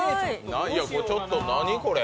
ちょっと何これ？